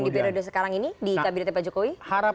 di periode sekarang ini di kabinetnya pak jokowi